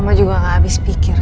mama juga gak habis pikir